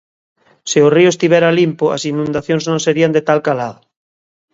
Se o río estivera limpo, as inundacións non serían de tal calado.